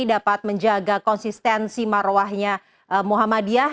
dapat menjaga konsistensi marwahnya muhammadiyah